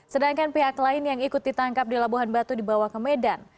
sedangkan pihak lain yang ikut ditangkap di labuhan batu dibawa ke medan